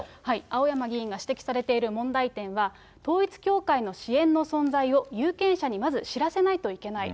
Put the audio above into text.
青山議員が指摘されている問題点は、統一教会の支援の存在を有権者にまず知らせないといけない。